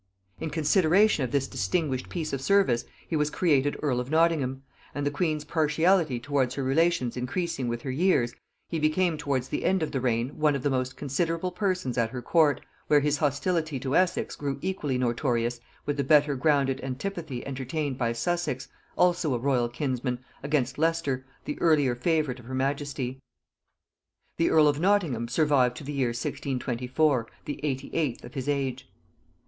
In consideration of this distinguished piece of service he was created earl of Nottingham; and the queen's partiality towards her relations increasing with her years, he became towards the end of the reign one of the most considerable persons at her court, where his hostility to Essex grew equally notorious with the better grounded antipathy entertained by Sussex, also a royal kinsman, against Leicester, the earlier favorite of her majesty. The earl of Nottingham survived to the year 1624, the 88th of his age.